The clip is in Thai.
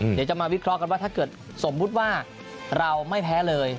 เดี๋ยวจะมาวิเคราะห์กันว่าถ้าเกิดสมมุติว่าเราไม่แพ้เลย